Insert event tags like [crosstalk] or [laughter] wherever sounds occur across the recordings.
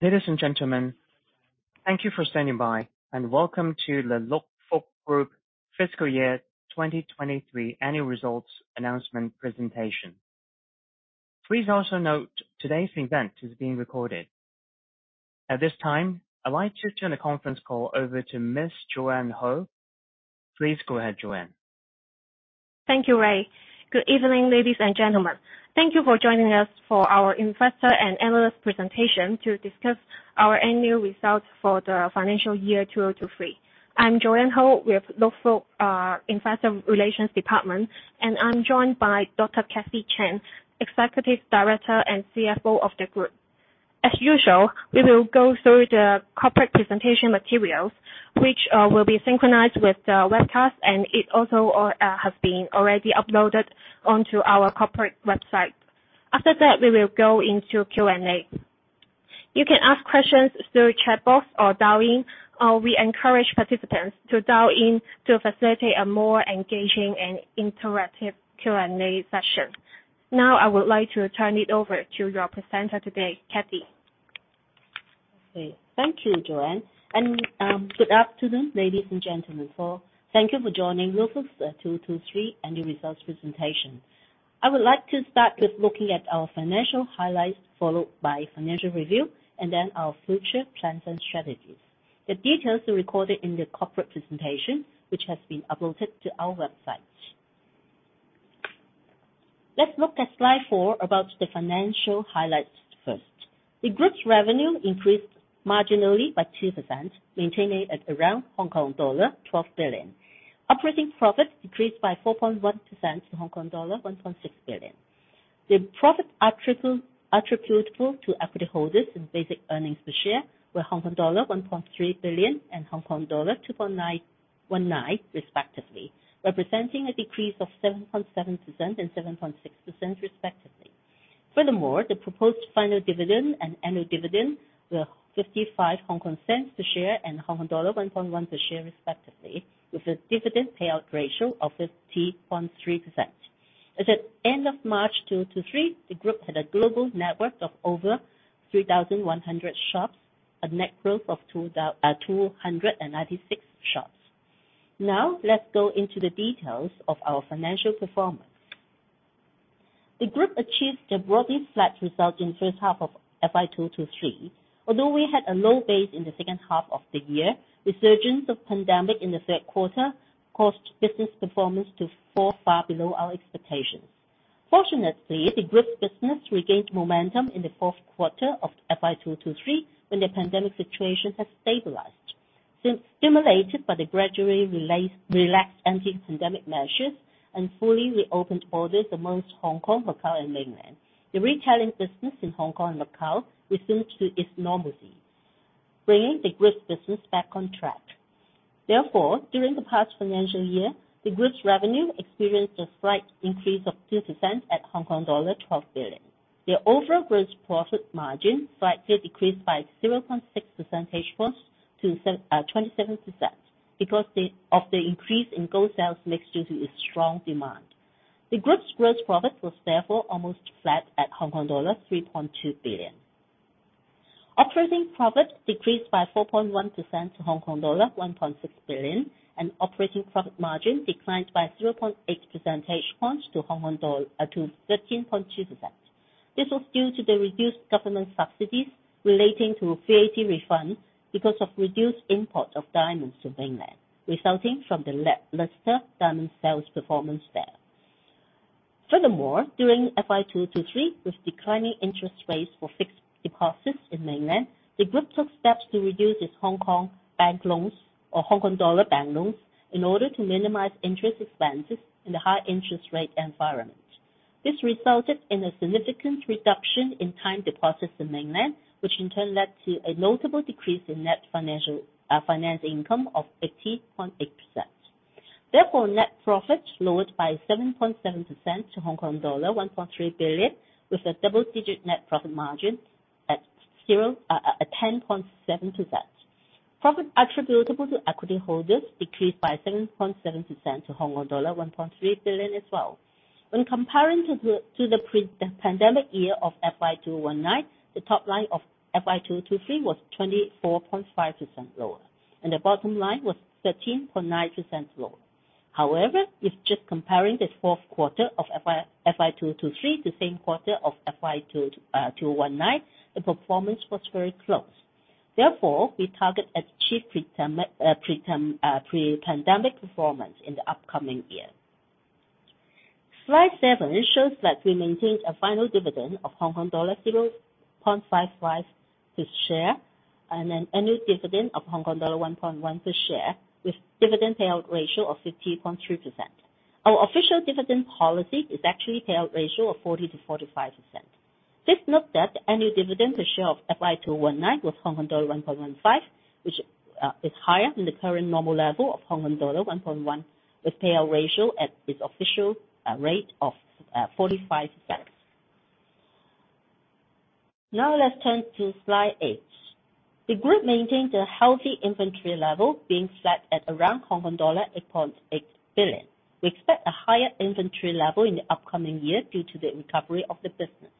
Ladies and gentlemen, thank you for standing by, and welcome to the Luk Fook Group Fiscal Year 2023 Annual Results Announcement presentation. Please also note, today's event is being recorded. At this time, I'd like to turn the conference call over to Ms. Joanne Ho. Please go ahead, Joanne. Thank you, Ray. Good evening, ladies and gentlemen. Thank you for joining us for our investor and analyst presentation to discuss our annual results for the financial year 2023. I'm Joanne Ho with Luk Fook, investor relations Department, and I'm joined by Dr. Kathy Chan, Executive Director and CFO of the group. As usual, we will go through the corporate presentation materials, which will be synchronized with the webcast, and it also has been already uploaded onto our corporate website. After that, we will go into Q&A. You can ask questions through chat box or dial-in, or we encourage participants to dial-in to facilitate a more engaging and interactive Q&A session. Now, I would like to turn it over to your presenter today, Cathy. Thank you, Joanne. Good afternoon, ladies and gentlemen. Thank you for joining Luk Fook's 2023 annual results presentation. I would like to start with looking at our financial highlights, followed by financial review, and then our future plans and strategies. The details are recorded in the corporate presentation, which has been uploaded to our website. Let's look at slide 4 about the financial highlights first. The group's revenue increased marginally by 2%, maintaining at around Hong Kong dollar 12 billion. Operating profit decreased by 4.1% to Hong Kong dollar 1.6 billion. The profit attributable to equity holders and basic earnings per share were Hong Kong dollar 1.3 billion and Hong Kong dollar 2.919 respectively, representing a decrease of 7.7% and 7.6% respectively. Furthermore, the proposed final dividend and annual dividend were HKD 0.55 per share and Hong Kong dollar 1.1 per share respectively, with a dividend payout ratio of 50.3%. As at end of March 2023, the group had a global network of over 3,100 shops, a net growth of 296 shops. Let's go into the details of our financial performance. The group achieved a broadly flat result in first half of FY2023. We had a low base in the second half of the year, resurgence of pandemic in the third quarter caused business performance to fall far below our expectations. The group's business regained momentum in the fourth quarter of FY2023, when the pandemic situation had stabilized. Since stimulated by the gradually relaxed anti-pandemic measures and fully reopened borders amongst Hong Kong, Macau, and Mainland, the retailing business in Hong Kong and Macau resumed to its normalcy, bringing the group's business back on track. During the past financial year, the group's revenue experienced a slight increase of 2% at Hong Kong dollar 12 billion. The overall gross profit margin slightly decreased by 0.6 percentage points to 27% because of the increase in gold sales mix due to its strong demand. The group's gross profit was almost flat at Hong Kong dollar 3.2 billion. Operating profit decreased by 4.1% to Hong Kong dollar 1.6 billion, operating profit margin declined by 0.8 percentage points to 13.2%. This was due to the reduced government subsidies relating to VAT refunds because of reduced imports of diamonds to mainland, resulting from the lesser diamond sales performance there. Furthermore, during FY2023, with declining interest rates for fixed deposits in mainland, the group took steps to reduce its Hong Kong bank loans or Hong Kong dollar bank loans in order to minimize interest expenses in the high interest rate environment. This resulted in a significant reduction in time deposits in mainland, which in turn led to a notable decrease in net financial, finance income of 80.8%. Therefore, net profit lowered by 7.7% to Hong Kong dollar 1.3 billion, with a double-digit net profit margin at zero, at 10.7%. Profit attributable to equity holders decreased by 7.7% to Hong Kong dollar 1.3 billion as well. When comparing to the pre-pandemic year of FY2019, the top line of FY2023 was 24.5% lower, and the bottom line was 13.9% lower. With just comparing the fourth quarter of FY2023, the same quarter of FY2019, the performance was very close. We target to achieve pre-pandemic performance in the upcoming year. Slide 7 shows that we maintained a final dividend of 0.55 per share, and an annual dividend of Hong Kong dollar 1.1 per share, with dividend payout ratio of 50.2%. Our official dividend policy is actually payout ratio of 40%-45%. Please note that annual dividend per share of FY2019 was Hong Kong dollar 1.15, which is higher than the current normal level of Hong Kong dollar 1.1, with payout ratio at its official rate of 45%. Now let's turn to slide 8. The group maintained a healthy inventory level, being flat at around Hong Kong dollar 8.8 billion. We expect a higher inventory level in the upcoming year due to the recovery of the business.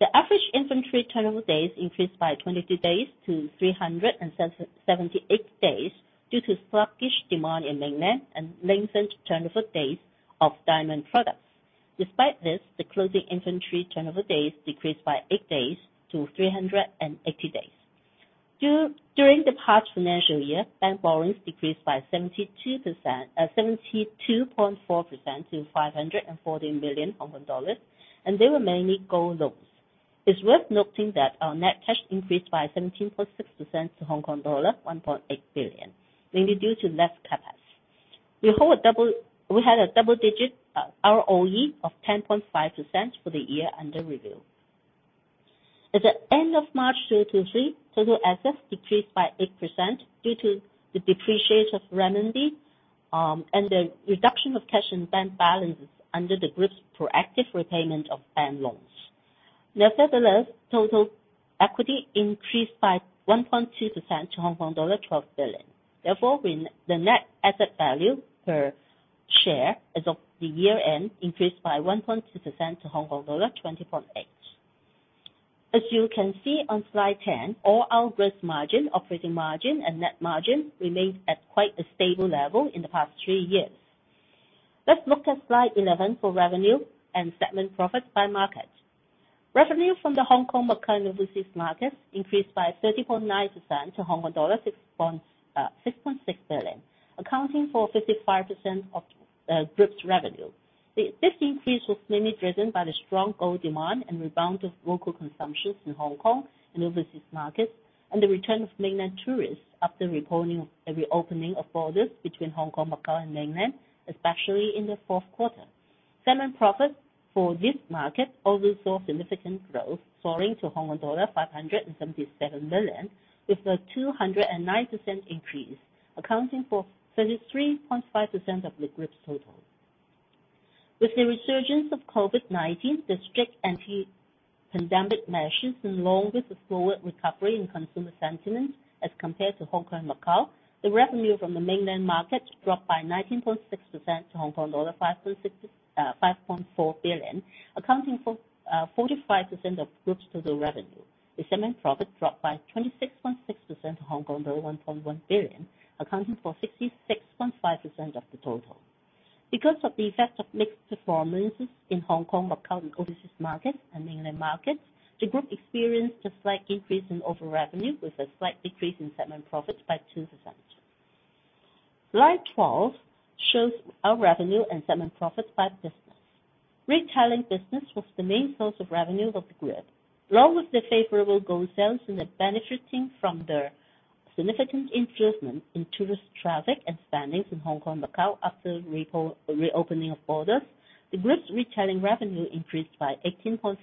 The average inventory turnover days increased by 22 days to 378 days due to sluggish demand in ML and lengthened turnover days of diamond products. Despite this, the closing inventory turnover days decreased by 8 days to 380 days. During the past financial year, bank borrowings decreased by 72%, 72.4% to 540 million Hong Kong dollars, and they were mainly gold loans. It's worth noting that our net cash increased by 17.6% to Hong Kong dollar 1.8 billion, mainly due to less CapEx. We had a double-digit ROE of 10.5% for the year under review. At the end of March 2023, total assets decreased by 8% due to the depreciation of renminbi and the reduction of cash and bank balances under the group's proactive repayment of bank loans. Nevertheless, total equity increased by 1.2% to Hong Kong dollar 12 billion. The net asset value per share as of the year end increased by 1.2% to Hong Kong dollar 20.8. As you can see on slide 10, all our gross margin, operating margin, and net margin remained at quite a stable level in the past three years. Let's look at slide 11 for revenue and segment profits by market. Revenue from the Hong Kong, Macao and Overseas markets increased by 30.9% to HKD 6.6 billion, accounting for 55% of Group's revenue. This increase was mainly driven by the strong gold demand and rebound of local consumptions in Hong Kong and overseas markets, and the return of Mainland tourists after reopening, the reopening of borders between Hong Kong, Macao and Mainland, especially in the fourth quarter. Segment profits for this market also saw significant growth, soaring to Hong Kong dollar 577 million, with a 209% increase, accounting for 33.5% of the group's total. With the resurgence of COVID-19, the strict anti-pandemic measures, along with the slower recovery in consumer sentiment as compared to Hong Kong and Macao, the revenue from the Mainland market dropped by 19.6% to Hong Kong dollar 5.4 billion, accounting for 45% of group's total revenue. The segment profit dropped by 26.6% to Hong Kong dollar 1.1 billion, accounting for 66.5% of the total. Of the effect of mixed performances in Hong Kong, Macao, and Overseas markets and Mainland markets, the group experienced a slight increase in overall revenue, with a slight decrease in segment profits by 2%. Slide 12 shows our revenue and segment profits by business. Retailing business was the main source of revenue of the group. Along with the favorable gold sales and the benefiting from the significant improvement in tourist traffic and spendings in Hong Kong, Macao, after reopening of borders, the group's retailing revenue increased by 18.4%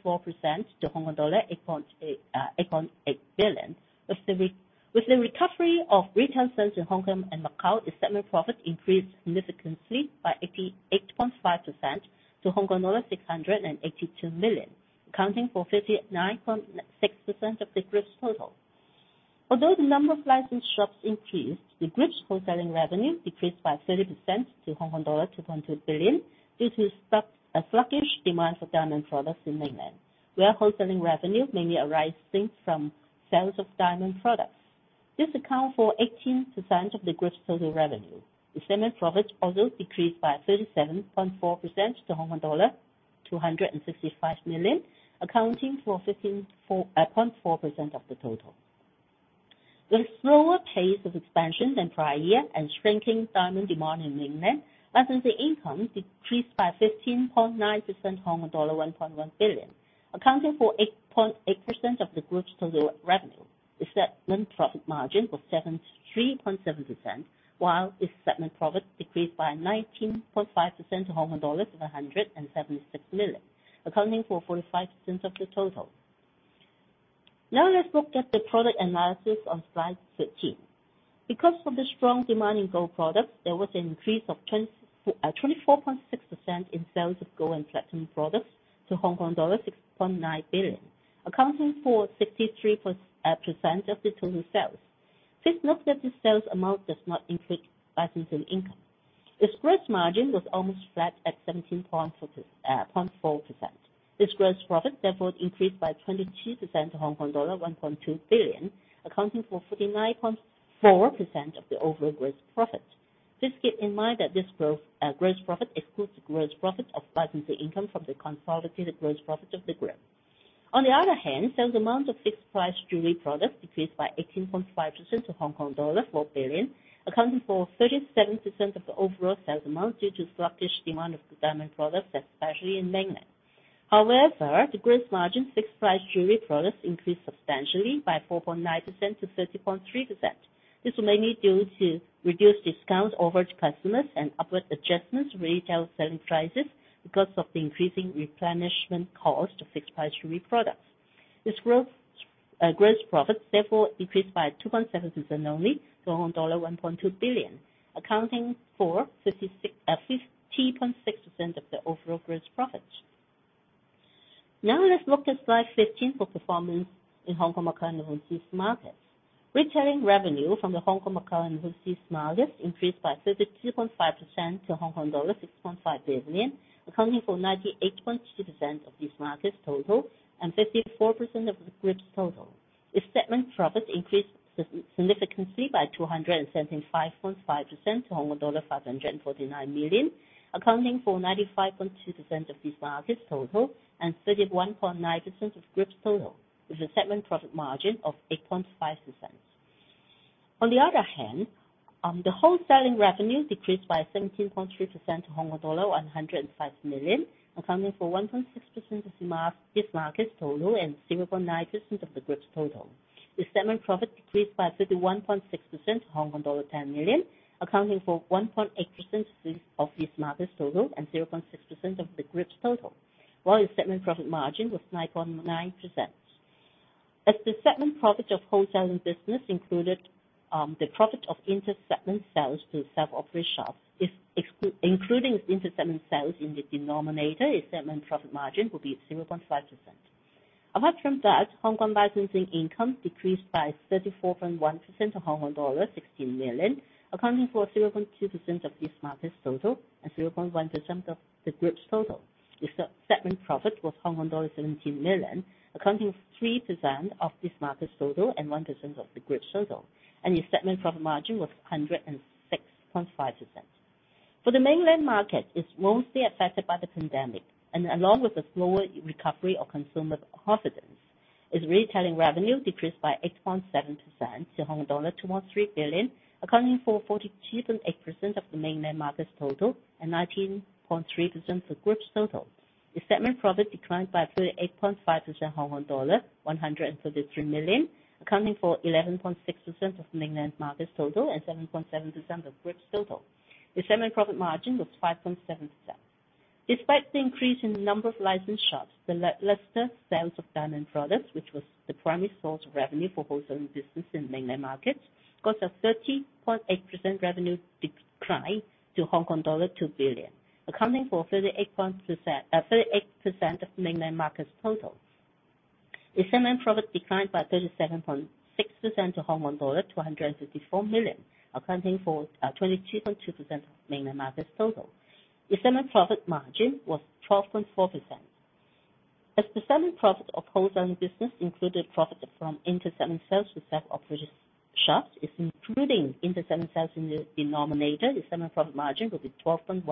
to 8.8 billion. With the recovery of retail sales in Hong Kong and Macao, the segment profit increased significantly by 88.5% to Hong Kong dollar 682 million, accounting for 59.6% of the group's total. Although the number of licensed shops increased, the group's wholesaling revenue decreased by 30% to Hong Kong dollar 2.2 billion, due to a sluggish demand for diamond products in Mainland, where wholesaling revenue mainly arising from sales of diamond products. This account for 18% of the group's total revenue. The segment profits also decreased by 37.4% to Hong Kong dollar 265 million, accounting for 15.4% of the total. With a slower pace of expansion than prior year and shrinking diamond demand in Mainland, licensing income decreased by 15.9%, dollar 1.1 billion, accounting for 8.8% of the group's total revenue. The segment profit margin was 73.7%, while its segment profit decreased by 19.5% to 176 million Hong Kong dollars, accounting for 45% of the total. Let's look at the product analysis on slide 13. Because of the strong demand in gold products, there was an increase of 24.6% in sales of gold and platinum products to Hong Kong dollars 6.9 billion, accounting for 63% of the total sales. Please note that the sales amount does not include licensing income. Its gross margin was almost flat at 17.4%. This gross profit therefore increased by 22% to Hong Kong dollar 1.2 billion, accounting for 49.4% of the overall gross profit. Please keep in mind that this gross profit excludes the gross profit of licensing income from the consolidated gross profit of the group. On the other hand, sales amount of fixed price jewelry products decreased by 18.5% to Hong Kong dollar 4 billion, accounting for 37% of the overall sales amount, due to sluggish demand of the diamond products, especially in Mainland. However, the gross margin fixed price jewelry products increased substantially by 4.9%-30.3%. This was mainly due to reduced discounts offered to customers and upward adjustments to retail selling prices because of the increasing replenishment cost of fixed price jewelry products. This gross profit therefore increased by 2.7% only, to dollar 1.2 billion, accounting for 50.6% of the overall gross profit. Let's look at slide 15 for performance in Hong Kong, Macau, and overseas markets. Retailing revenue from the Hong Kong, Macau, and overseas markets increased by 52.5% to Hong Kong dollar 6.5 billion, accounting for 98.2% of this market's total and 54% of the group's total. The segment profit increased significantly by 275.5% to Hong Kong dollar 549 million, accounting for 95.2% of this market's total and 31.9% of group's total, with a segment profit margin of 8.5%. On the other hand, the wholesaling revenue decreased by 17.3% to Hong Kong dollar 105 million, accounting for 1.6% of this market's total and 0.9% of the group's total. The segment profit decreased by 31.6% to Hong Kong dollar 10 million, accounting for 1.8% of this market's total and 0.6% of the group's total, while the segment profit margin was 9.9%. As the segment profit of wholesaling business included the profit of inter-segment sales to self-operated shops, is including inter-segment sales in the denominator, its segment profit margin will be 0.5%. Apart from that, Hong Kong licensing income decreased by 34.1% to Hong Kong dollar 16 million, accounting for 0.2% of this market's total and 0.1% of the group's total. The segment profit was HKD 17 million, accounting for 3% of this market's total and 1% of the group's total, and the segment profit margin was 106.5%. For the mainland market, it's mostly affected by the pandemic, and along with the slower recovery of consumer confidence, its retailing revenue decreased by 8.7% to 2.3 billion dollar, accounting for 42.8% of the mainland market's total and 19.3% of the group's total. The segment profit declined by 38.5%, Hong Kong dollar 133 million, accounting for 11.6% of the ML market's total and 7.7% of group's total. The segment profit margin was 5.7%. Despite the increase in the number of licensed shops, the lesser sales of diamond products, which was the primary source of revenue for wholesaling business in ML markets, caused a 30.8% revenue decline to Hong Kong dollar 2 billion, accounting for 38% of ML market's total. The segment profit declined by 37.6% to Hong Kong dollar 254 million, accounting for 22.2% of ML market's total. The segment profit margin was 12.4%. As the segment profit of wholesaling business included profit from inter-segment sales to self-operated shops, is including inter-segment sales in the denominator, the segment profit margin will be 12.1%.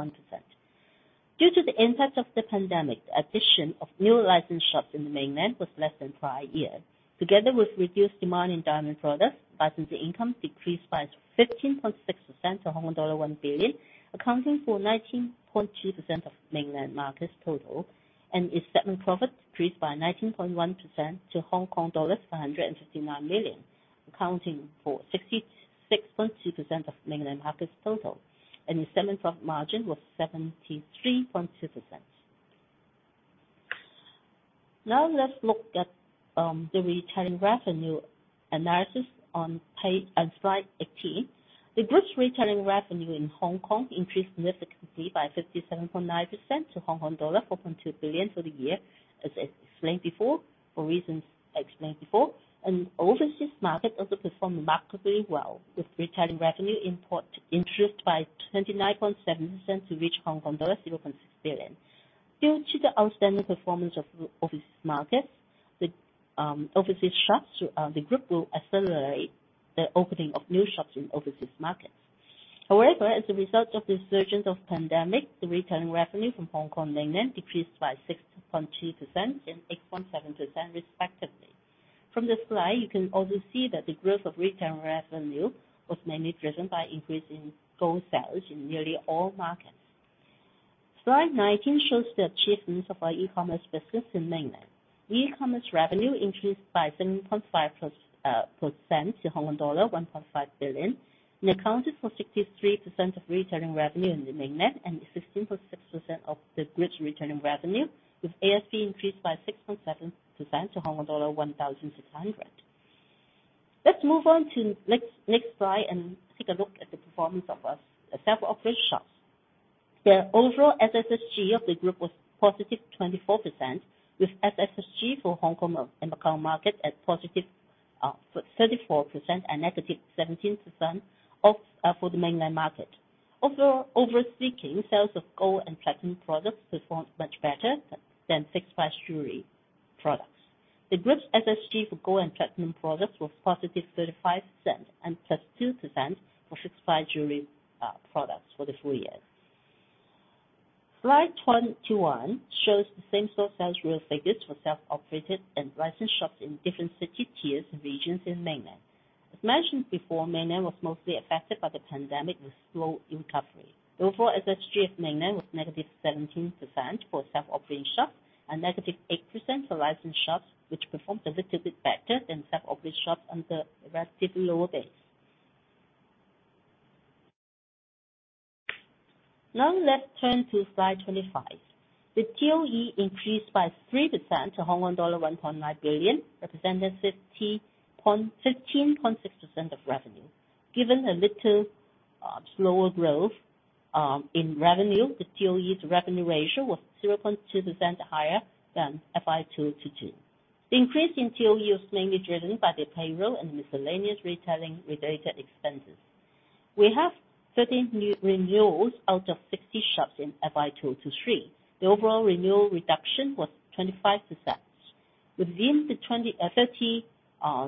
Due to the impact of the pandemic, the addition of new licensed shops in the Mainland was less than prior years. Together with reduced demand in diamond products, licensing income decreased by 15.6% to Hong Kong dollar 1 billion, accounting for 19.2% of Mainland market's total, and its segment profit decreased by 19.1% to Hong Kong dollars 459 million, accounting for 66.2% of Mainland market's total, and the segment profit margin was 73.2%. Let's look at the retailing revenue analysis on slide 18. The group's retailing revenue in Hong Kong increased significantly by 57.9% to Hong Kong dollar 4.2 billion for the year, as explained before, for reasons explained before. Overseas market also performed remarkably well, with retailing revenue import increased by 29.7% to reach Hong Kong dollar 0.6 billion. Due to the outstanding performance of the overseas markets, the overseas shops, the group will accelerate the opening of new shops in overseas markets. However, as a result of the resurgence of pandemic, the retailing revenue from Hong Kong Mainland decreased by 6.2% and 8.7% respectively. From the slide, you can also see that the growth of retailing revenue was mainly driven by increase in gold sales in nearly all markets. Slide 19 shows the achievements of our e-commerce business in Mainland. E-commerce revenue increased by 7.5% to Hong Kong dollar 1.5 billion, and accounted for 63% of retailing revenue in the Mainland and 16.6% of the group's retailing revenue, with ASV increased by 6.7% to Hong Kong dollar 1,600. Let's move on to next slide and take a look at the performance of our self-operated shops. The overall SSSG of the group was +24%, with SSSG for Hong Kong and Macau market at +34% and -17% for the Mainland market. Overall, overarching, sales of gold and platinum products performed much better than fixed price jewelry products. The group's SSG for gold and platinum products was +35% and +2% for fixed price jewelry products for the full year. Slide 21 shows the Same Store Sales Growth figures for self-operated and licensed shops in different city tiers and regions in mainland. As mentioned before, mainland was mostly affected by the pandemic with slow recovery. Overall, SSG of mainland was -17% for self-operating shops and -8% for licensed shops, which performed a little bit better than self-operated shops on the relatively lower base. Let's turn to slide 25. The TOE increased by 3% to Hong Kong dollar 1.9 billion, representing 15.6% of revenue. Given a little slower growth in revenue. The TOE's revenue ratio was 0.2% higher than FY2022. The increase in TOE was mainly driven by the payroll and miscellaneous retailing related expenses. We have 13 new renewals out of 60 shops in FY2023. The overall renewal reduction was 25%. Within the 30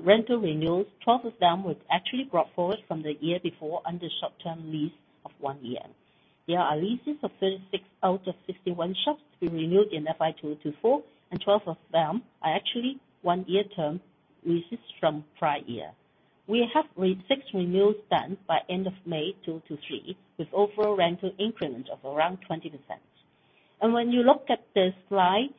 rental renewals, 12 of them were actually brought forward from the year before under short-term lease of 1 year. There are leases of 36 out of 51 shops to be renewed in FY2024, and 12 of them are actually 1-year term leases from prior year. We have 6 renewals done by end of May 2023, with overall rental increment of around 20%. When you look at the slide,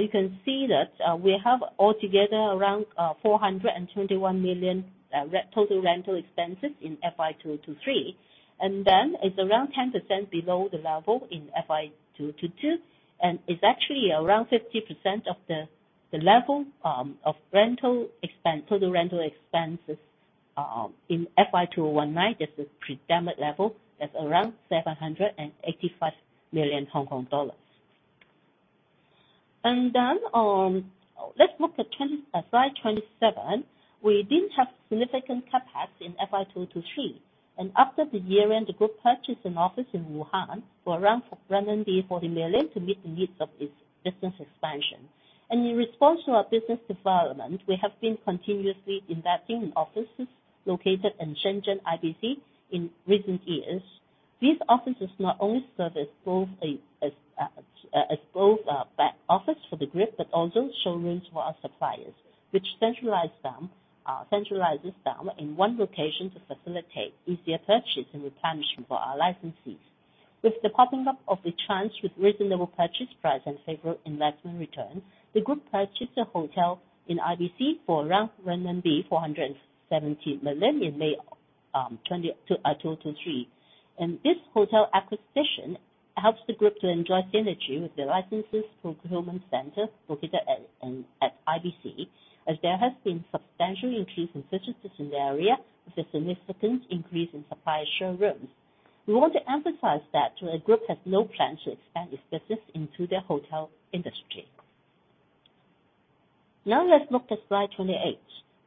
you can see that we have altogether around 421 million total rental expenses in FY2023. It's around 10% below the level in FY2022, and it's actually around 50% of the level of rental expense, total rental expenses, in FY2019. That's the pre-pandemic level. That's around 785 million Hong Kong dollars. Let's look at slide 27. We didn't have significant CapEx in FY2023. After the year-end, the group purchased an office in Wuhan for around 40 million to meet the needs of its business expansion. In response to our business development, we have been continuously investing in offices located in Shenzhen IBC in recent years. These offices not only service both back office for the group, but also showrooms for our suppliers, which centralizes them in one location to facilitate easier purchase and replenishment for our licensees. With the popping up of the chance with reasonable purchase price and favorable investment return, the group purchased a hotel in IBC for around renminbi 470 million in May 2023. This hotel acquisition helps the group to enjoy synergy with the licenses procurement center located at IBC, as there has been substantial increase in businesses in the area with a significant increase in supplier showrooms. We want to emphasize that the group has no plan to expand its business into the hotel industry. Now let's look at slide 28.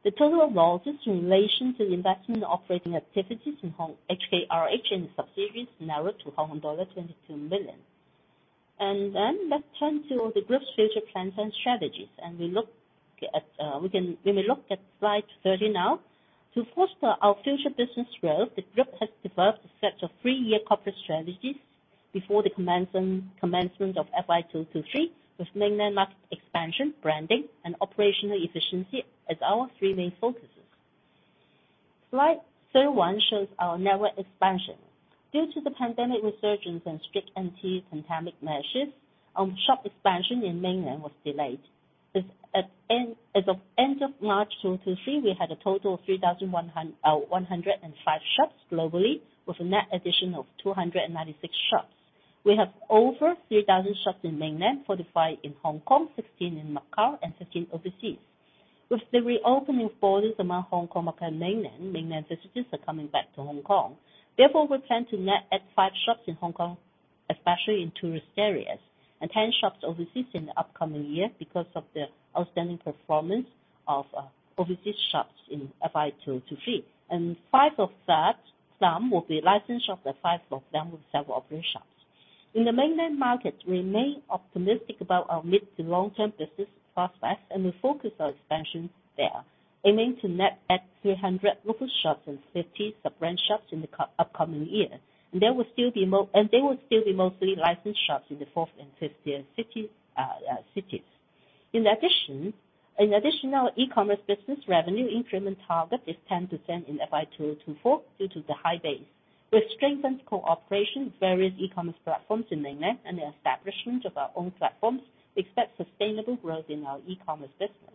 The total losses in relation to the investment operating activities in HKRH and subsidiaries narrowed to Hong Kong dollar 22 million. Let's turn to the group's future plans and strategies, and we will look at slide 30 now. To foster our future business growth, the group has developed a set of three-year corporate strategies before the commencement of FY2023, with mainland market expansion, branding, and operational efficiency as our three main focuses. Slide 31 shows our network expansion. Due to the pandemic resurgence and strict anti-pandemic measures, shop expansion in mainland was delayed. As of end of March 2023, we had a total of 3,105 shops globally, with a net addition of 296 shops. We have over 3,000 shops in ML, 45 in Hong Kong, 16 in Macau, and 15 overseas. With the reopening of borders among Hong Kong and ML visitors are coming back to Hong Kong. We plan to net add five shops in Hong Kong, especially in tourist areas, and 10 shops overseas in the upcoming year because of the outstanding performance of overseas shops in FY2023. 5 of that, some will be licensed shops, and five of them will be self-operated shops. In the ML market, we remain optimistic about our mid to long-term business prospects, and we focus our expansions there, aiming to net add 300 local shops and 50 sub-brand shops in the upcoming year. There will still be mostly licensed shops in the fourth and fifth tier cities. In additional e-commerce business, revenue increment target is 10% in FY2024, due to the high base. With strengthened cooperation with various e-commerce platforms in mainland and the establishment of our own platforms, we expect sustainable growth in our e-commerce business.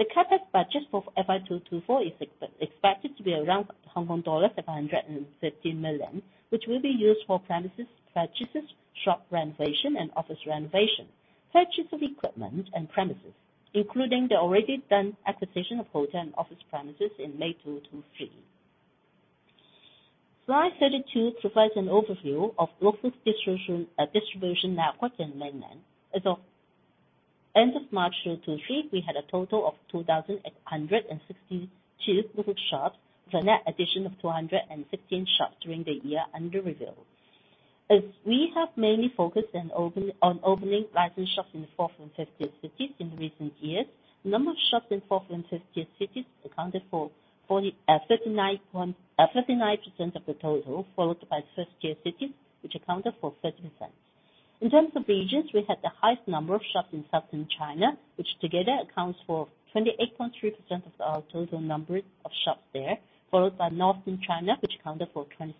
The CapEx budget for FY2024 is expected to be around 550 million Hong Kong dollars, which will be used for premises purchases, shop renovation, and office renovation, purchase of equipment and premises, including the already done acquisition of hotel and office premises in May 2023. Slide 32 provides an overview of local distribution network in mainland. As of end of March 2023, we had a total of 2,862 local shops, with a net addition of 215 shops during the year under review. As we have mainly focused on opening licensed shops in the fourth and fifth tier cities in recent years, the number of shops in fourth and fifth tier cities accounted for 39.39% of the total, followed by first tier cities, which accounted for 30%. In terms of regions, we had the highest number of shops in southern China, which together accounts for 28.3% of our total number of shops there, followed by northern China, which accounted for 27.3%.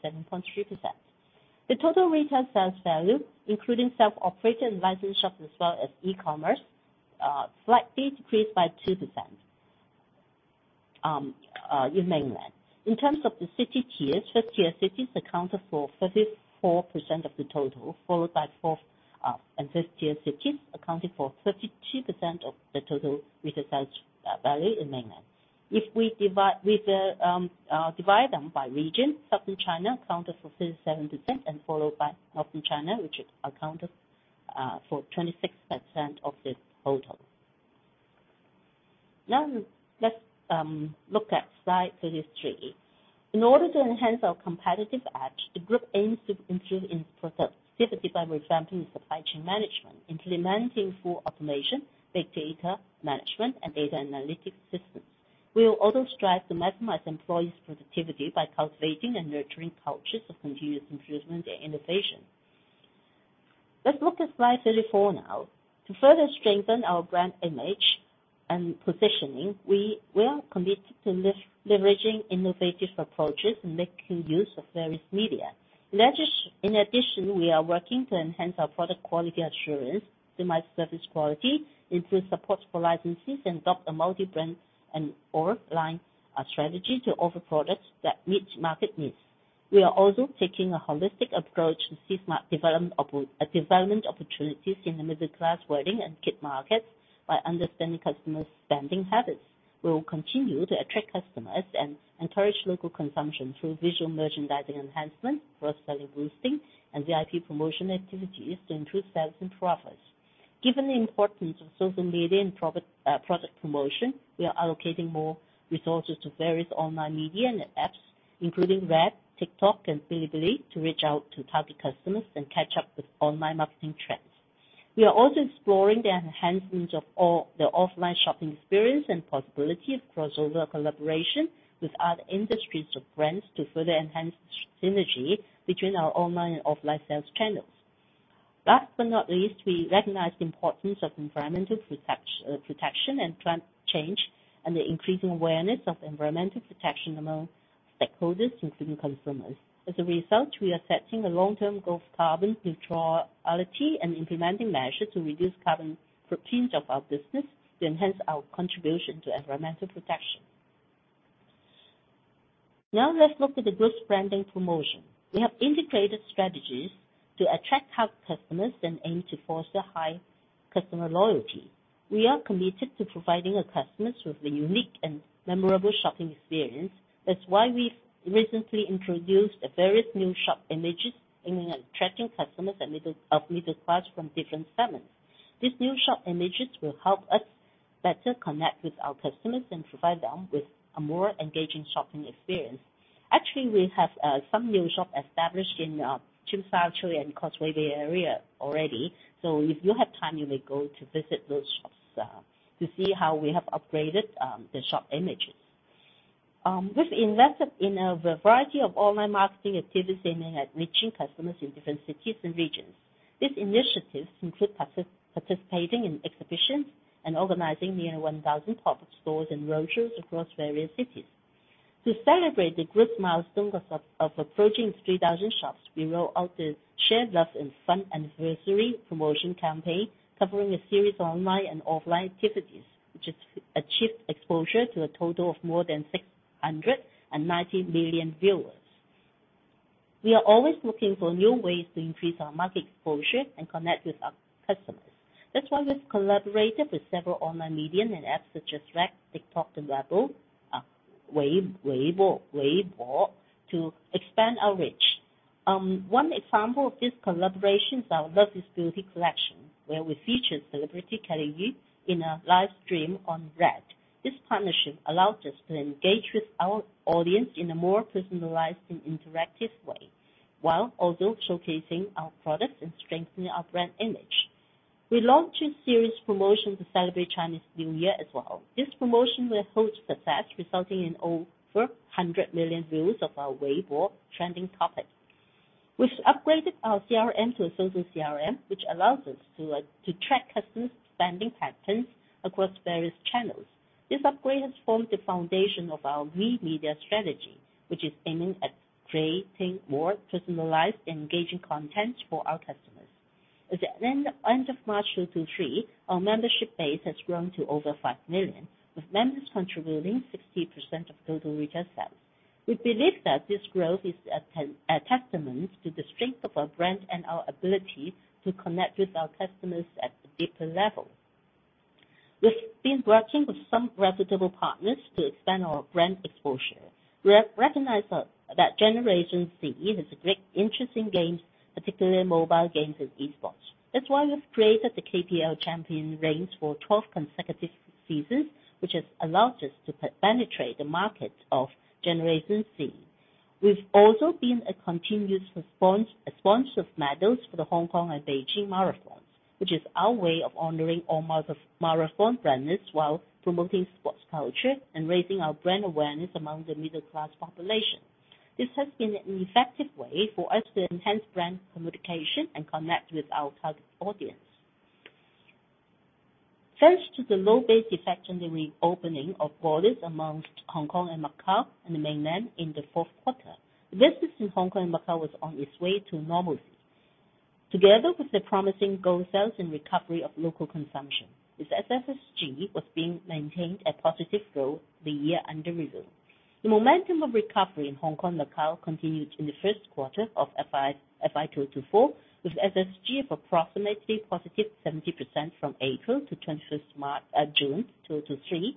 The total retail sales value, including self-operated licensed shops as well as e-commerce, slightly decreased by 2% in Mainland. In terms of the city tiers, first tier cities accounted for 34% of the total, followed by fourth and fifth tier cities, accounting for 32% of the total retail sales value in Mainland. If we divide them by region, Southern China accounted for 37%, and followed by Northern China, which is accounted for 26% of the total. Now, let's look at slide 33. In order to enhance our competitive edge, the group aims to improve in productivity by reexamining supply chain management, implementing full automation, big data management, and data analytics systems. We will also strive to maximize employees' productivity by cultivating and nurturing cultures of continuous improvement and innovation. Let's look at slide 34 now. To further strengthen our brand image and positioning, we are committed to leveraging innovative approaches and making use of various media. In addition, we are working to enhance our product quality assurance, maximize service quality, improve support for licenses, and adopt a multi-brand and or line strategy to offer products that meet market needs. We are also taking a holistic approach to see smart development opportunities in the middle-class wedding and kid markets, by understanding customers' spending habits. We will continue to attract customers and encourage local consumption through visual merchandising enhancement, cross-selling, boosting, and VIP promotion activities to improve sales and profits. Given the importance of social media and product promotion, we are allocating more resources to various online media and apps, including RED, TikTok, and Bilibili, to reach out to target customers and catch up with online marketing trends. We are also exploring the enhancements of the offline shopping experience and possibility of crossover collaboration with other industries or brands, to further enhance synergy between our online and offline sales channels. Last but not least, we recognize the importance of environmental protection and climate change, and the increasing awareness of environmental protection among stakeholders, including consumers. As a result, we are setting a long-term goal of carbon neutrality and implementing measures to reduce carbon footprint of our business to enhance our contribution to environmental protection. Now, let's look at the group's branding promotion. We have integrated strategies to attract top customers and aim to foster high customer loyalty. We are committed to providing our customers with a unique and memorable shopping experience. That's why we've recently introduced various new shop images, aiming at attracting customers of middle class from different segments. These new shop images will help us better connect with our customers and provide them with a more engaging shopping experience. Actually, we have some new shop established in Tsim Sha Tsui and Causeway Bay area already. If you have time, you may go to visit those shops to see how we have upgraded the shop images. We've invested in a variety of online marketing activities, aiming at reaching customers in different cities and regions. These initiatives include participating in exhibitions and organizing near 1,000 pop-up stores and roadshows across various cities. To celebrate the group's milestone of approaching 3,000 shops, we roll out the Share Love and Fun Anniversary promotion campaign, covering a series of online and offline activities, which has achieved exposure to a total of more than 690 million viewers. We are always looking for new ways to increase our market exposure and connect with our customers. That's why we've collaborated with several online media and apps such as RED, TikTok, and Weibo to expand our reach. One example of this collaboration is our Love is Beauty collection, where we featured celebrity Kelly Yi in a live stream on RED. This partnership allowed us to engage with our audience in a more personalized and interactive way, while also showcasing our products and strengthening our brand image. We launched a series promotion to celebrate Chinese New Year as well. This promotion was huge success, resulting in over 100 million views of our Weibo trending topic. We've upgraded our CRM to a social CRM, which allows us to track customers' spending patterns across various channels. This upgrade has formed the foundation of our WeMedia strategy, which is aiming at creating more personalized and engaging content for our customers. As at the end of March 2023, our membership base has grown to over 5 million, with members contributing 60% of total retail sales. We believe that this growth is a testament to the strength of our brand and our ability to connect with our customers at a deeper level. We've been working with some reputable partners to expand our brand exposure. We have recognized that Generation Z has a great interest in games, particularly mobile games and eSports. That's why we've created the KPL Champion range for 12 consecutive seasons, which has allowed us to penetrate the market of Generation Z. We've also been a continuous sponsor of medals for the Hong Kong and Beijing Marathon, which is our way of honoring all marathon runners, while promoting sports culture and raising our brand awareness among the middle-class population. This has been an effective way for us to enhance brand communication and connect with our target audience. Thanks to the low base effect and the reopening of borders among Hong Kong and Macau and the Mainland in the fourth quarter, business in Hong Kong and Macau was on its way to normalcy. Together with the promising gold sales and recovery of local consumption, this SSSG was being maintained at positive growth the year under review. The momentum of recovery in Hong Kong, Macau, continued in the first quarter of FY2024, with SSG of approximately +70% from April to June 2023.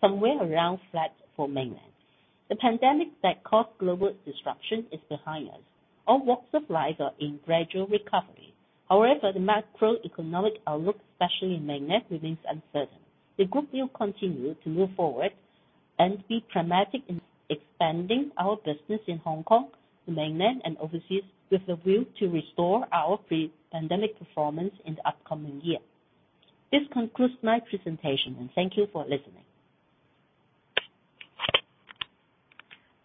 Somewhere around flat for Mainland. The pandemic that caused global disruption is behind us. All walks of life are in gradual recovery. The macroeconomic outlook, especially in Mainland, remains uncertain. The group will continue to move forward and be pragmatic in expanding our business in Hong Kong, the Mainland, and overseas, with a will to restore our pre-pandemic performance in the upcoming year. This concludes my presentation. Thank you for listening.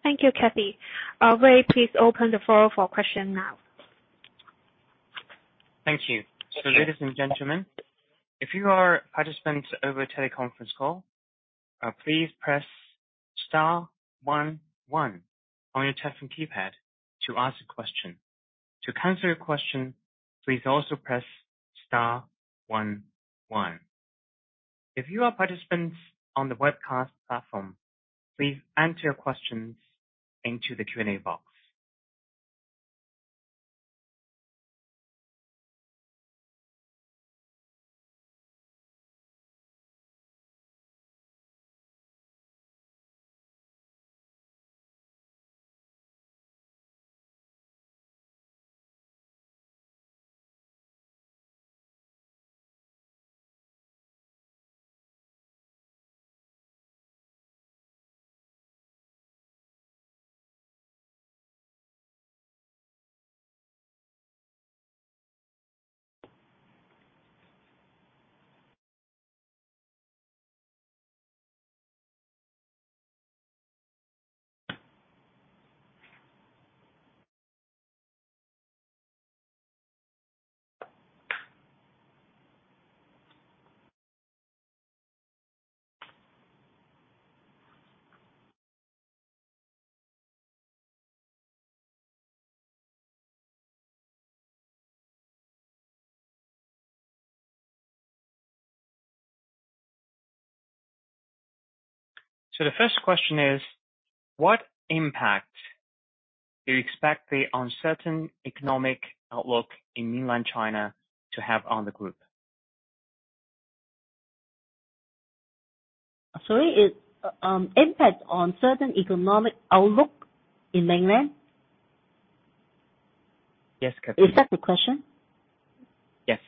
Thank you, Kathy. We please open the floor for question now. Thank you. Ladies and gentlemen, if you are participants over teleconference call, please press star one one on your telephone keypad to ask a question. To cancel your question, please also press star one one. If you are participants on the webcast platform, please enter your questions into the Q&A box. The first question is: What impact do you expect the uncertain economic outlook in Mainland China to have on the group? Sorry, it, impact on certain economic outlook in Mainland? Yes, Kathy. Is that the question? Yes.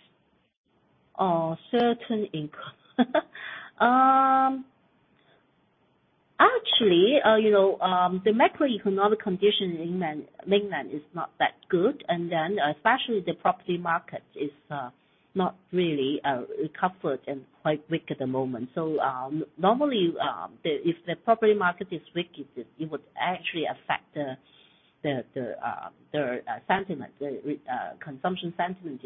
Actually, you know, the macroeconomic conditions in Mainland is not that good, especially the property market is not really recovered and quite weak at the moment. Normally, if the property market is weak, it would actually affect the sentiment, the consumption sentiment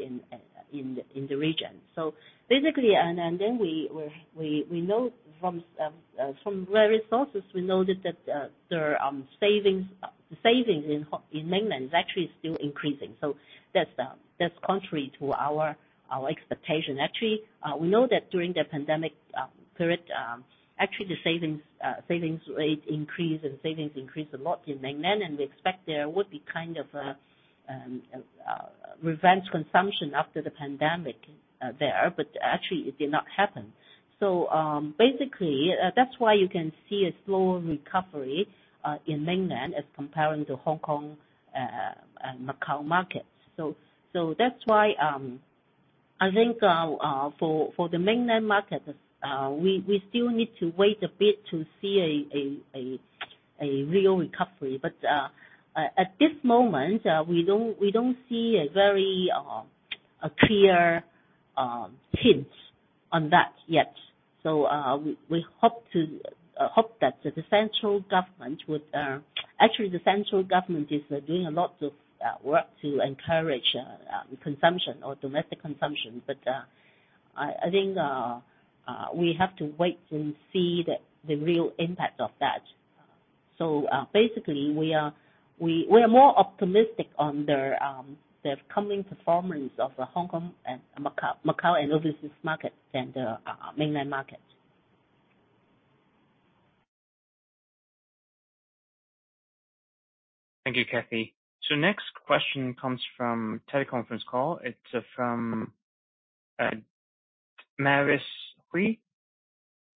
in the region. Basically, we know from various sources, we know that there are savings in Mainland is actually still increasing. That's contrary to our expectation. Actually, we know that during the pandemic period, actually the savings rate increase and savings increased a lot in Mainland, and we expect there would be kind of a revenge consumption after the pandemic there, but actually it did not happen. Basically, that's why you can see a slower recovery in Mainland as comparing to Hong Kong, Macau markets. That's why I think for the Mainland market, we still need to wait a bit to see a real recovery. At this moment, we don't see a very clear hint on that yet. We hope that the central government would. The central government is doing a lot of work to encourage consumption or domestic consumption. I think we have to wait to see the real impact of that. Basically, we are more optimistic on the coming performance of the Hong Kong and Macau and overseas markets than the Mainland market. Thank you, Kathy. Next question comes from teleconference call. It's from, Mavis Hui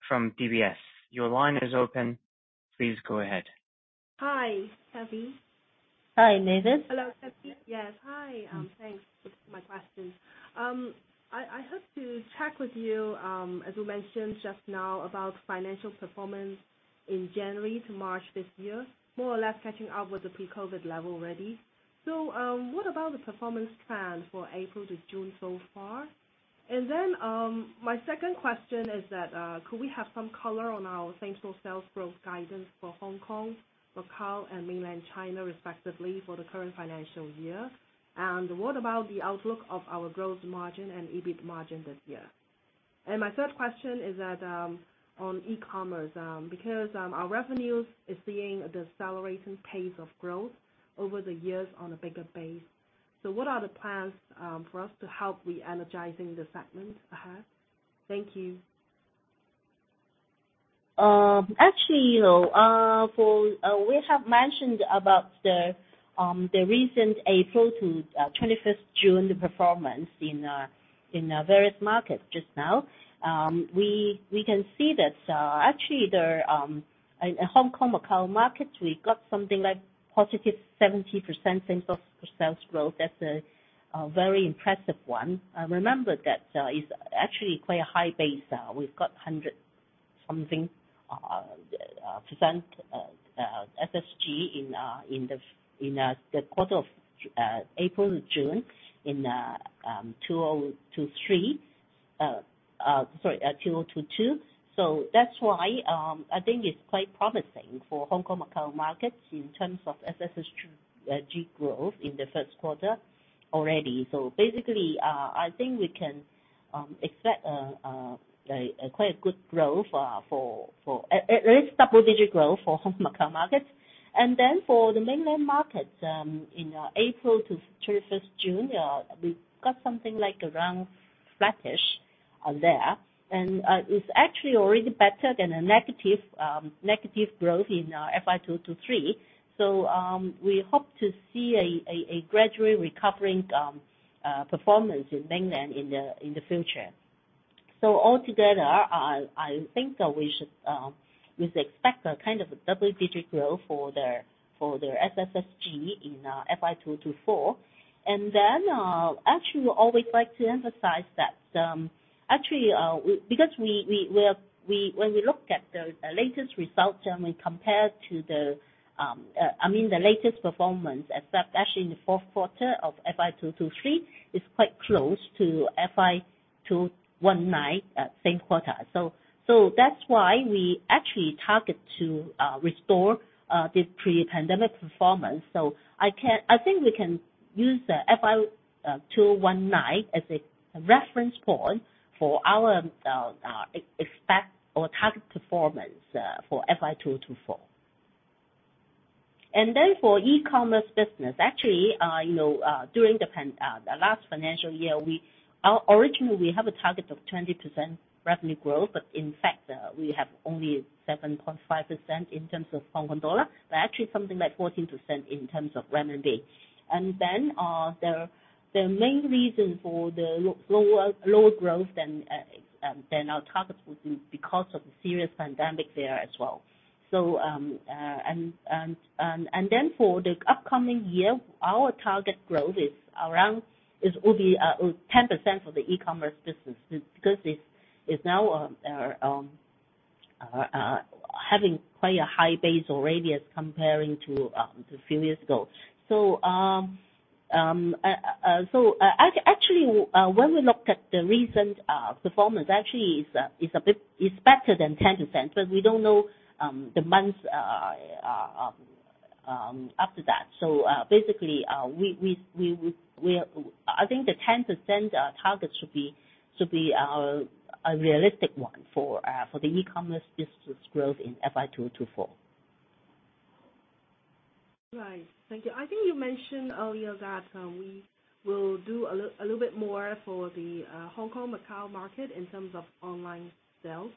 from DBS. Your line is open. Please go ahead. Hi, Kathy. Hi, Mavis. Hello, Kathy. Hi. Thanks for my questions. I hope to check with you, as you mentioned just now, about financial performance in January to March this year, more or less catching up with the pre-COVID level already. What about the performance plan for April to June so far? My second question is that, could we have some color on our same-store sales growth guidance for Hong Kong, Macau, and Mainland China, respectively, for the current financial year? What about the outlook of our growth margin and EBIT margin this year? My third question is that, on e-commerce, because our revenues is seeing a decelerating pace of growth over the years on a bigger base. What are the plans for us to help re-energizing the segment ahead? Thank you. Actually, you know, for we have mentioned about the recent April to 25th June, the performance in various markets just now. We can see that actually the in Hong Kong Macau markets, we got something like +70% in terms of sales growth. That's a very impressive one. Remember that it's actually quite a high base. We've got 100 something percent SSG in the quarter of April to June, in 2023, sorry, 2022. That's why I think it's quite promising for Hong Kong Macau markets in terms of SSSG growth in the first quarter already. Basically, I think we can expect a quite a good growth for at least double-digit growth for Hong Kong Macau markets. Then for the Mainland markets, in April to 21st June, we've got something like around flattish there. It's actually already better than a negative growth in FY2023. We hope to see a gradually recovering performance in Mainland in the future. Altogether, I think that we should we expect a kind of a double-digit growth for the for the SSSG in FY2024. Actually, we always like to emphasize that, actually, because we when we look at the latest results and we compare to the, I mean, the latest performance, except actually in the fourth quarter of FY2023, is quite close to FY2019, same quarter. That's why we actually target to restore the pre-pandemic performance. I think we can use the FY2019 as a reference point for our expect or target performance for FY2024. Then for e-commerce business, actually, you know, during the last financial year, originally we have a target of 20% revenue growth, but in fact, we have only 7.5% in terms of Hong Kong dollar, but actually something like 14% in terms of renminbi. Then, the main reason for the lower growth than our target was because of the serious pandemic there as well. Then for the upcoming year, our target growth is will be 10% for the e-commerce business. Because it's now having quite a high base already as comparing to few years ago. Actually, when we looked at the recent performance, actually is a bit, is better than 10%, but we don't know, the months after that. Basically, we are. I think the 10% target should be a realistic one for the e-commerce business growth in FY2024. Right. Thank you. I think you mentioned earlier that we will do a little bit more for the Hong Kong Macau market in terms of online sales.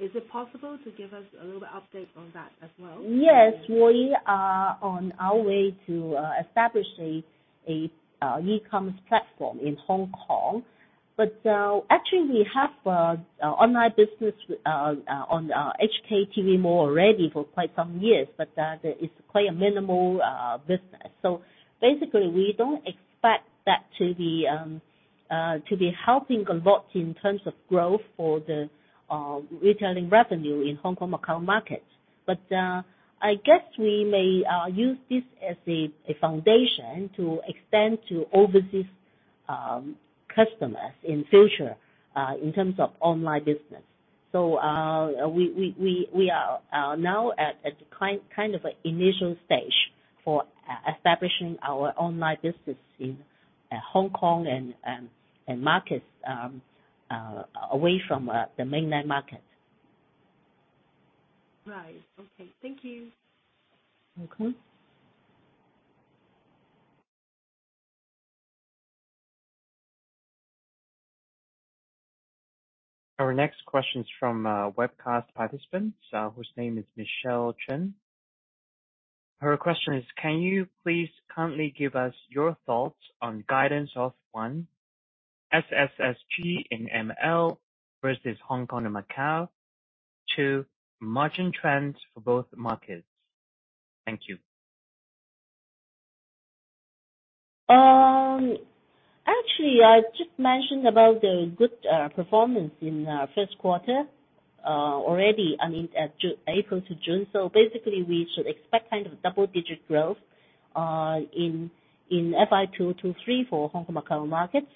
Is it possible to give us a little bit update on that as well? Yes, we are on our way to establish a e-commerce platform in Hong Kong. Actually, we have online business on HKTVmall already for quite some years, but it's quite a minimal business. Basically, we don't expect that to be helping a lot in terms of growth for the retailing revenue in Hong Kong Macau markets. I guess we may use this as a foundation to extend to overseas customers in future in terms of online business. We are now at a kind of an initial stage for establishing our online business in Hong Kong and markets away from the Mainland market. Right. Okay. Thank you. Okay. Our next question is from webcast participant, whose name is Michelle Chen. Her question is, can you please currently give us your thoughts on guidance of, one, SSSG in ML versus Hong Kong and Macau? Two, margin trends for both markets. Thank you. Actually, I just mentioned about the good performance in first quarter already, I mean, April to June. Basically, we should expect kind of double-digit growth in FY2023 for Hong Kong Macau markets.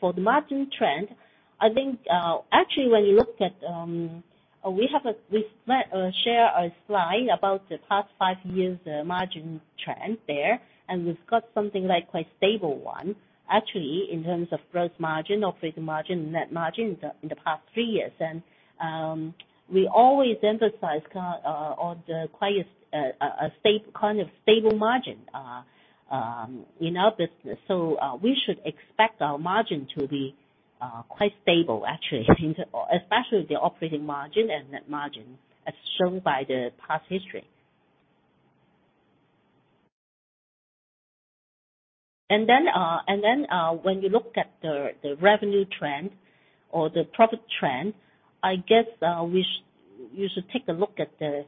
For the margin trend, I think actually, when you look at, we have a, we share a slide about the past 5 years margin trend there, and we've got something like quite stable one actually, in terms of gross margin, operating margin, and net margin in the past 3 years. We always emphasize on the quite a kind of stable margin in our business. We should expect our margin to be quite stable actually, especially the operating margin and net margin, as shown by the past history. When you look at the revenue trend or the profit trend, I guess, you should take a look at the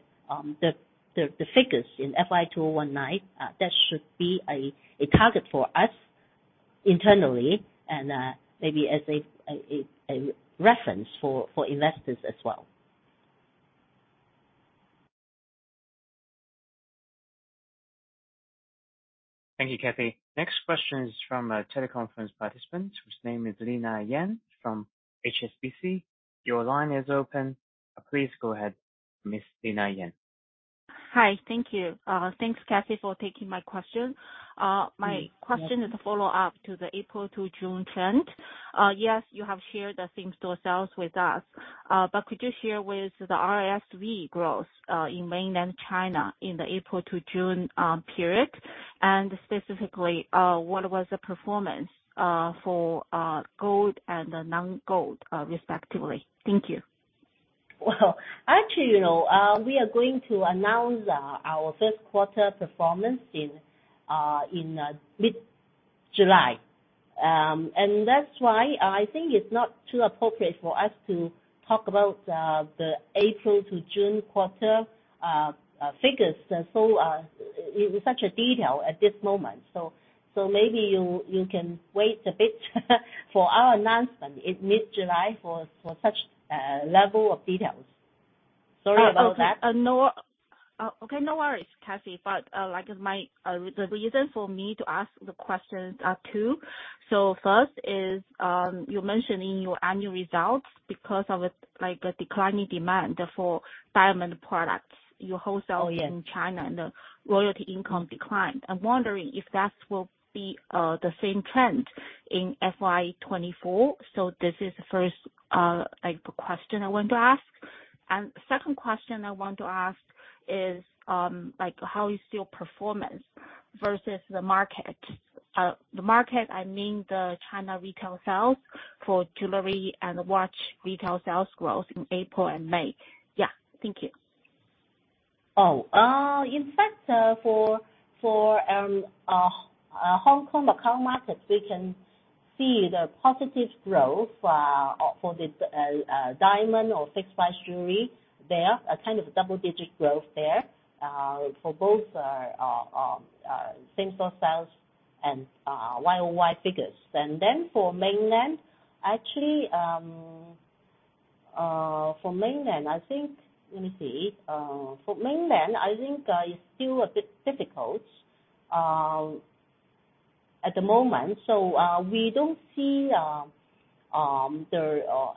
figures in FY2019. That should be a target for us internally, maybe as a reference for investors as well. Thank you, Kathy. Next question is from a teleconference participant, whose name is Lina Yan from HSBC. Your line is open. Please go ahead, Miss Lina Yan. Hi, thank you. Thanks, Kathy, for taking my question. My question is a follow-up to the April to June trend. Yes, you have shared the same store sales with us, but could you share with the RSV growth in Mainland China in the April to June period? Specifically, what was the performance for gold and the non-gold respectively? Thank you. Well, actually, you know, we are going to announce our first quarter performance in mid-July. That's why I think it's not too appropriate for us to talk about the April to June quarter figures, and so, in such a detail at this moment. Maybe you can wait a bit for our announcement in mid-July for such level of details. Sorry about that. No, okay, no worries, Kathy, but, like, my, the reason for me to ask the question are two: so first is, you mentioned in your annual results, because of, like, the declining demand for diamond products, your wholesale. Oh, yeah. In China and the royalty income declined. I'm wondering if that will be the same trend in FY2024. This is the first, like, the question I want to ask. Second question I want to ask is, like, how is your performance versus the market? The market, I mean, the China retail sales for jewelry and watch retail sales growth in April and May. Yeah, thank you. In fact, for Hong Kong, Macau markets, we can see the positive growth for the diamond or fixed price jewelry, a kind of double-digit growth for both same-store sales and YOY figures. For Mainland, actually, for Mainland, I think it's still a bit difficult at the moment, we don't see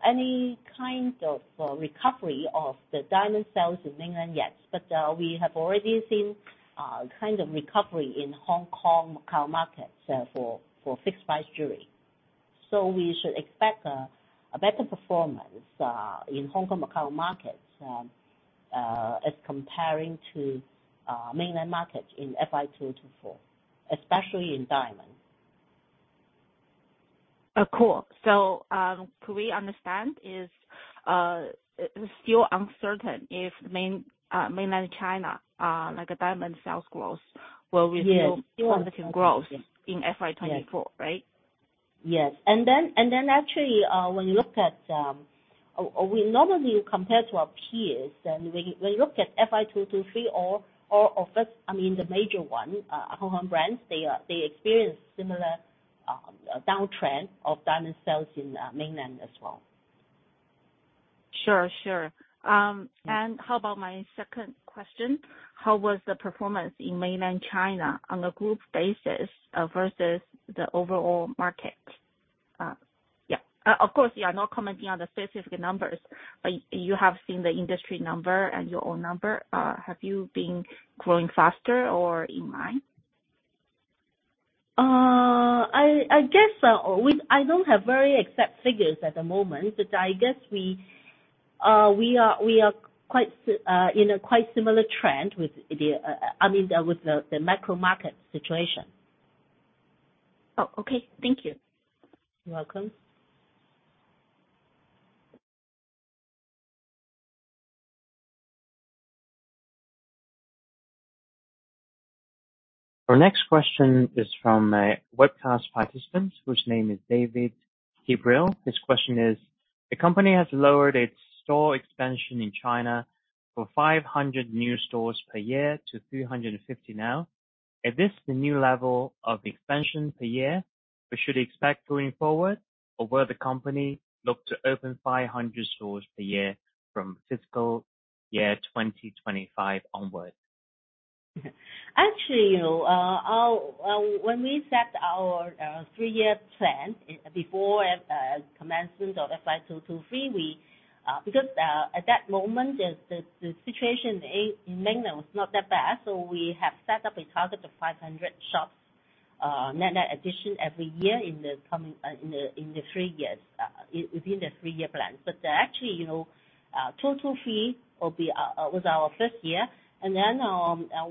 any kind of recovery of the diamond sales in Mainland yet. We have already seen kind of recovery in Hong Kong, Macau markets for fixed price jewelry. We should expect a better performance in Hong Kong, Macau markets as comparing to mainland markets in FY2024, especially in diamond. Cool. Could we understand, is, still uncertain if mainland China, like the diamond sales growth, will we? [crosstalk] See positive growth in FY2024, right? Yes. Actually, when you look at, we normally compare to our peers, and we look at FY2023 or office, I mean, the major one, Hong Kong brands, they experience similar downtrend of diamond sales in Mainland as well. Sure, sure. How about my second question? How was the performance in Mainland China on a group basis versus the overall market? Yeah. Of course, you are not commenting on the specific numbers, but you have seen the industry number and your own number. Have you been growing faster or in line? I guess, I don't have very exact figures at the moment, but I guess we are in a quite similar trend with the, I mean, with the micro market situation. Oh, okay. Thank you. You're welcome. Our next question is from a webcast participant, whose name is David Gabriel. His question is: The company has lowered its store expansion in China from 500 new stores per year to 350 now. Is this the new level of expansion per year we should expect going forward, or will the company look to open 500 stores per year from FY2025 onwards? Actually, you know, our when we set our 3-year plan before commencement of FY2023, we because at that moment, the situation in Mainland was not that bad, so we have set up a target of 500 shops net addition every year in the coming in the 3 years within the 3-year plan. Actually, you know, total fee will be was our first year, and then,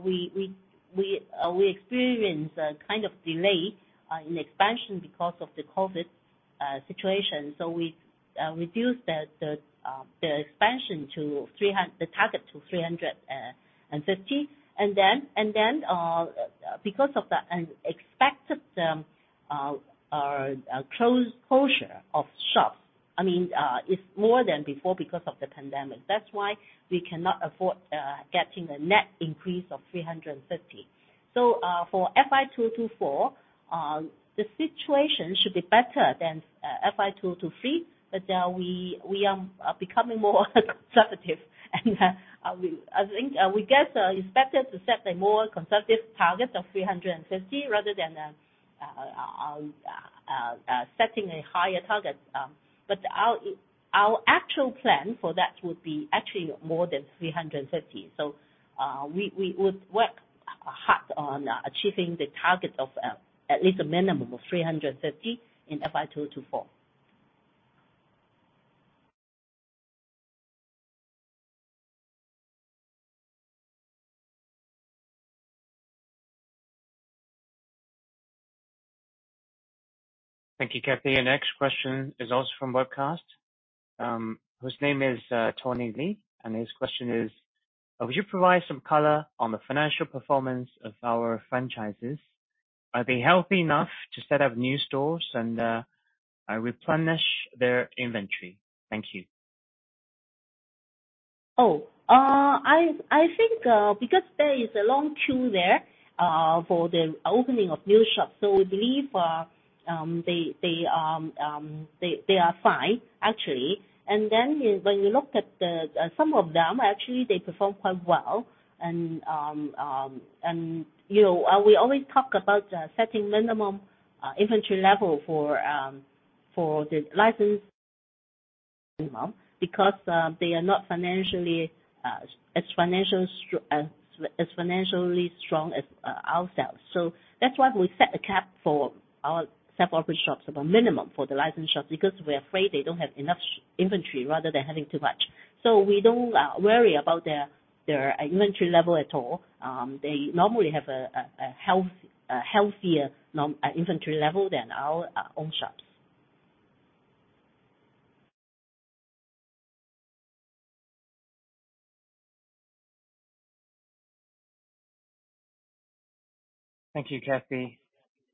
we experienced a kind of delay in expansion because of the COVID situation. We reduced the expansion to the target to 350. Because of the close closure of shops, I mean, it's more than before because of the pandemic. That's why we cannot afford getting a net increase of 350. For FY2024, the situation should be better than FY2023, we are becoming more conservative, we think we guess expected to set a more conservative target of 350, rather than setting a higher target. Our actual plan for that would be actually more than 350. We would work hard on achieving the target of at least a minimum of 350 in FY2024. Thank you, Kathy. The next question is also from webcast. His name is Tony Li. His question is: Would you provide some color on the financial performance of our franchises? Are they healthy enough to set up new stores and replenish their inventory? Thank you. I think because there is a long queue there for the opening of new shops, we believe they are fine, actually. When you look at some of them, actually they perform quite well. You know, we always talk about setting minimum inventory level for the license, because they are not financially as financially strong as ourselves. That's why we set a cap for our self-operated shops, about minimum for the licensed shops, because we're afraid they don't have enough inventory rather than having too much. We don't worry about their inventory level at all. They normally have a healthier inventory level than our own shops. Thank you, Kathy.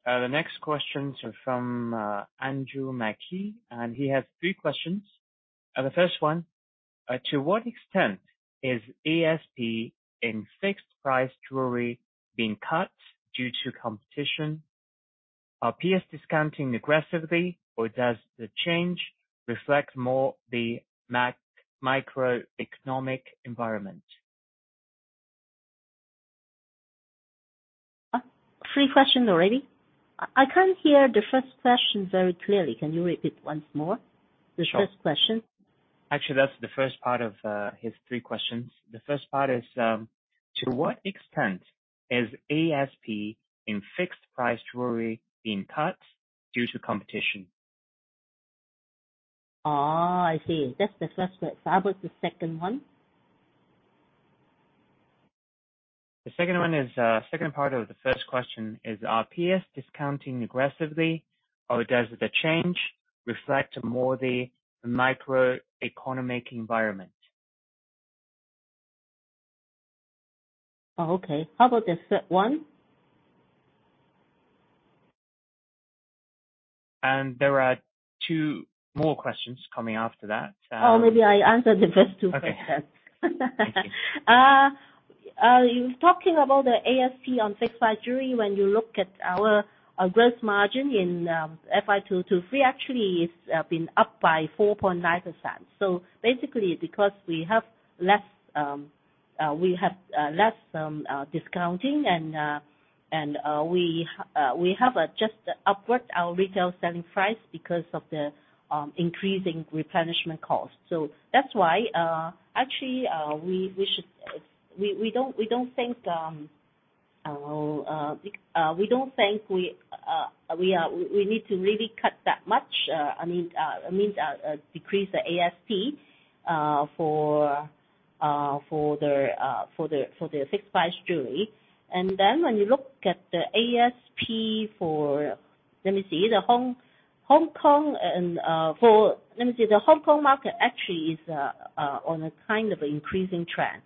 The next questions are from Andrew Mackey, he has three questions. The first one: To what extent is ASP in fixed price jewelry being cut due to competition? Are peers discounting aggressively, or does the change reflect more the microeconomic environment? Three questions already? I can't hear the first question very clearly. Can you repeat once more? The first question. Actually, that's the first part of his three questions. The first part is: To what extent is ASP in fixed price jewelry being cut due to competition? Oh, I see. That's the first one. How about the second one? Second part of the first question is, are peers discounting aggressively, or does the change reflect more the macroeconomic environment? Oh, okay. How about the third one? There are two more questions coming after that. Oh, maybe I answer the first two questions. Okay. Thank you. You talking about the ASP on fixed price jewelry, when you look at our gross margin in FY2023, actually it's been up by 4.9%. Basically because we have less, we have less discounting and we have just upward our retail selling price because of the increasing replenishment cost. That's why. Actually, we should we don't think we need to really cut that much, I mean, I mean, decrease the ASP for the fixed price jewelry. When you look at the ASP for. Let me see, the Hong Kong market actually is on a kind of increasing trend.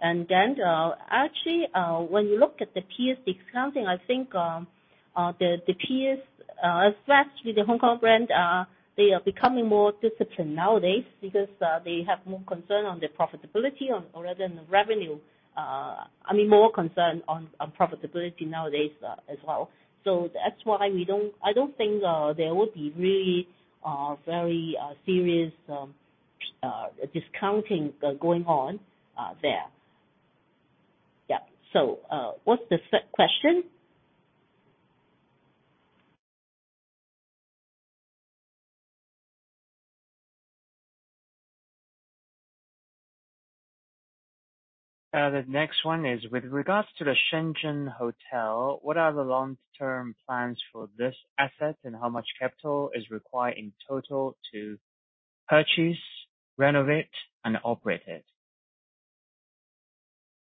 Actually, when you look at the peers discounting, I think, the peers, especially the Hong Kong brand, they are becoming more disciplined nowadays because they have more concern on the profitability on rather than the revenue. I mean, more concerned on profitability nowadays as well. That's why I don't think there will be really very serious discounting going on there. Yeah. What's the third question? The next one is: with regards to the Shenzhen Hotel, what are the long-term plans for this asset, and how much capital is required in total to purchase, renovate, and operate it?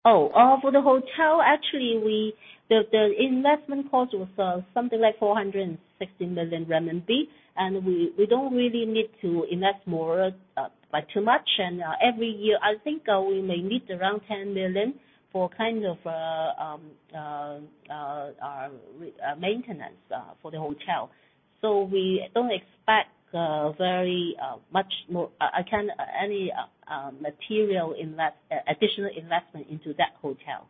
For the hotel, actually, the investment cost was something like 460 million RMB, and we don't really need to invest more by too much. Every year, I think, we may need around 10 million for kind of maintenance for the hotel. We don't expect very much more, again, any material additional investment into that hotel.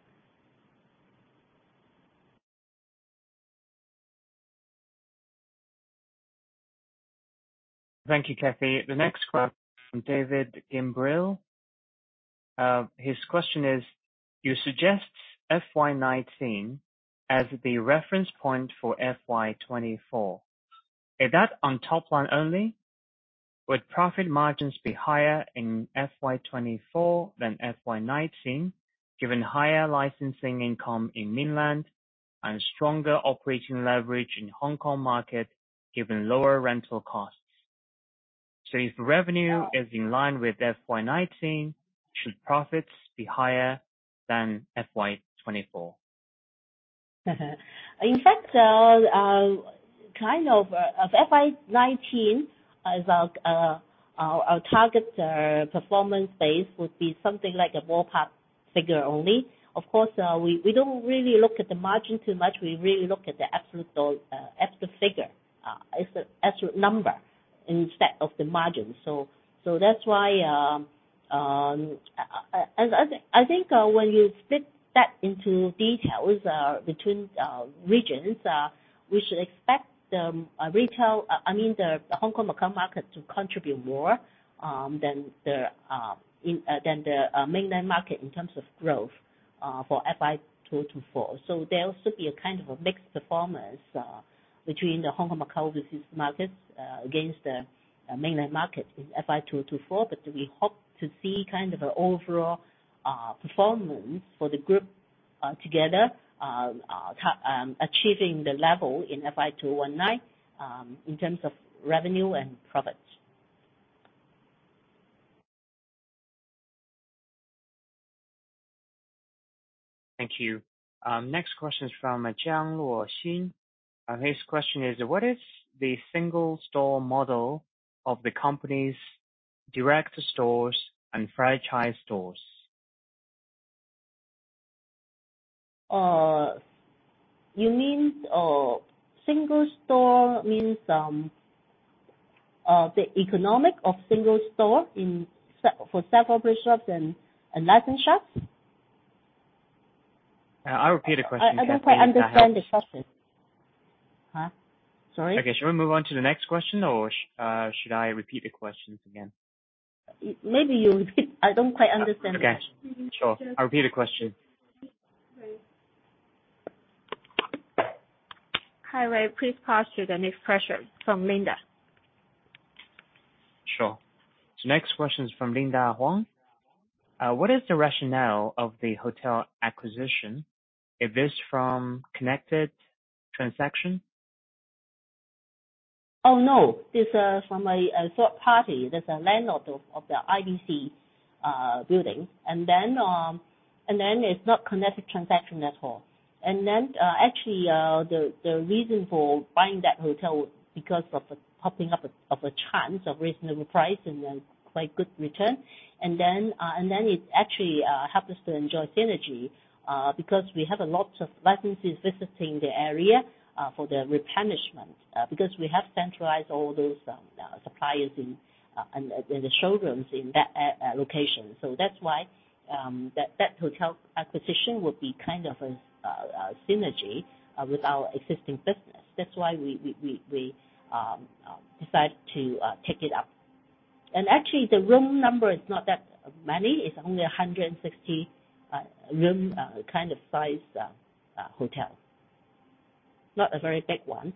Thank you, Kathy. The next question from David Gabriel. His question is: You suggest FY2019 as the reference point for FY2024. Is that on top line only? Would profit margins be higher in FY2024 than FY2019, given higher licensing income in ML and stronger operating leverage in Hong Kong market, given lower rental costs? If revenue is in line with FY2019, should profits be higher than FY2024? In fact, kind of of FY2019 as our target performance base would be something like a ballpark figure only. Of course, we don't really look at the margin too much. We really look at the absolute figure as an absolute number instead of the margin. That's why I think when you split that into details between regions, we should expect the retail, I mean, the Hong Kong and Macau market to contribute more than the Mainland market in terms of growth for FY2024. There will still be a kind of a mixed performance between the Hong Kong and Macau business markets against the Mainland market in FY2024. We hope to see kind of an overall performance for the group together achieving the level in FY2019 in terms of revenue and profits. Thank you. Next question is from Jiang Luoxin. His question is: What is the single store model of the company's direct stores and franchise stores? You mean, single store means, the economic of single store for self-operated shops and licensed shops? I'll repeat the question, Kathy. I don't quite understand the question. Huh? Sorry. Okay. Shall we move on to the next question, or should I repeat the questions again? Maybe you repeat. I don't quite understand the question. Okay. Sure. I'll repeat the question. Hi, Ray. Please pause to the next question from Linda. Sure. Next question is from Linda Huang. What is the rationale of the hotel acquisition if it's from connected transaction? Oh, no. It's from a third party. There's a landlord of the IBC building. It's not connected transaction at all. Actually, the reason for buying that hotel, because of popping up a chance of reasonable price and then quite good return. It actually helps us to enjoy synergy because we have a lot of licensees visiting the area for their replenishment. Because we have centralized all those suppliers in the showrooms in that location. That's why that hotel acquisition would be kind of a synergy with our existing business. That's why we decide to take it up. Actually, the room number is not that many. It's only 160, room, kind of size, hotel. Not a very big one.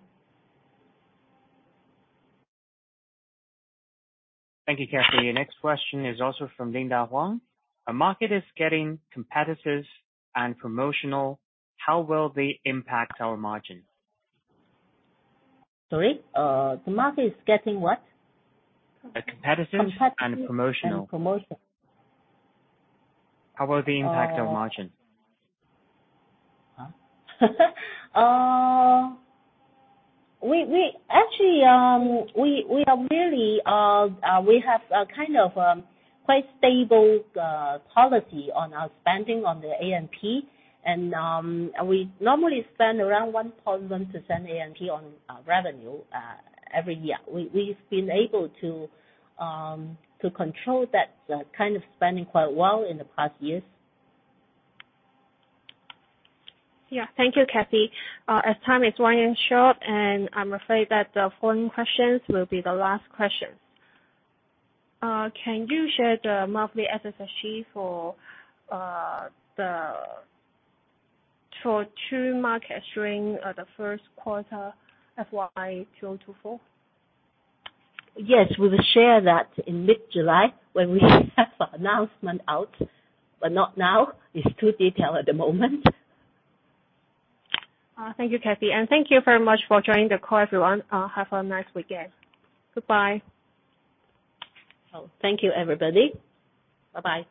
Thank you, Kathy. The next question is also from Linda Huang. The market is getting competitive and promotional. How will they impact our margin? Sorry, the market is getting what? [crosstalk] Uh, competitive- Competitive- Promotional. Promotional. How will they impact our margin? Huh? We actually, we are really, we have a kind of quite stable policy on our spending on the A&P. We normally spend around 1.1% A&P on revenue every year. We've been able to control that kind of spending quite well in the past years. Yeah. Thank you, Kathy. As time is running short, and I'm afraid that the following questions will be the last question. Can you share the monthly SSSG for the for 2 market during the first quarter, FY2024? Yes, we will share that in mid-July, when we have the announcement out, but not now. It's too detailed at the moment. Thank you, Kathy, and thank you very much for joining the call, everyone. Have a nice weekend. Goodbye. Oh, thank you, everybody. Bye-bye.